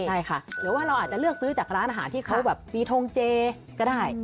ใช่ค่ะหรือว่าเราอาจจะเลือกซื้อจากร้านอาหารที่เขาแบบมีทงเจก็ได้